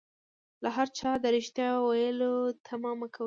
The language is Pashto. له هر چا د ريښتيا ويلو تمه مکوئ